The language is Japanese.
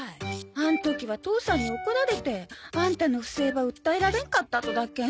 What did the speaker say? あん時は父さんに怒られてアンタの不正ば訴えられんかったとだけん。